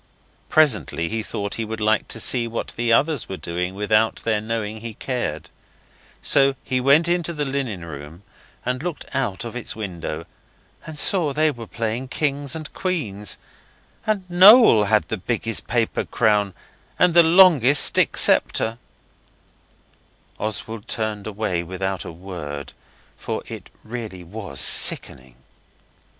Presently he thought he would like to see what the others were doing without their knowing he cared. So he went into the linen room and looked out of its window, and he saw they were playing Kings and Queens and Noel had the biggest paper crown and the longest stick sceptre. Oswald turned away without a word, for it really was sickening.